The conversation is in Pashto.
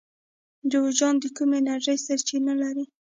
جوزجان د کومې انرژۍ سرچینه لري؟